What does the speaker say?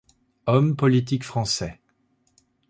Homme politique français.